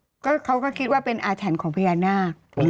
ปกติเขาก็คิดว่าเป็นอาธันต์ของพญานาค